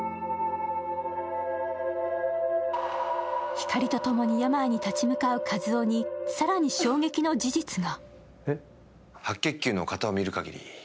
ひかりと共に病に立ち向かう一男に更に衝撃の事実が。